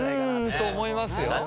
うんそう思いますよ。